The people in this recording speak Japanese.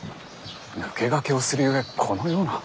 抜け駆けをするゆえこのような。